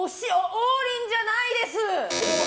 王林じゃないです。